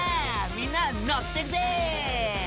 みんなノッてくぜ！」